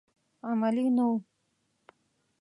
علمي نه و.